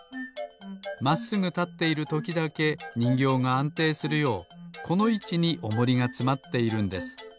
まっすぐたっているときだけにんぎょうがあんていするようこのいちにおもりがつまっているんです。